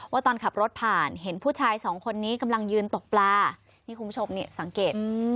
ว่าตอนขับรถผ่านเห็นผู้ชายสองคนนี้กำลังยืนตกปลานี่คุณผู้ชมเนี่ยสังเกต